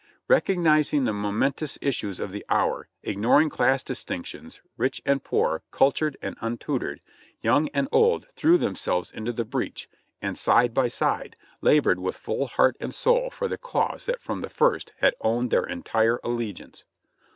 Recognizing the momen tous issues of the hour, ignoring class distinctions, rich and poor, cultured and untutored, young and old threw themselves into the breach, and side by side labored with full heart and soul for the cause that from the first had owned their entire allegiance.